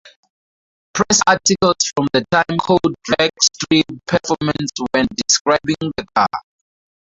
Press articles from the time quote "drag-strip" performance when describing the car.